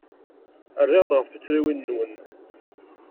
Rriɣ-d ɣef tuttriwin-nwen.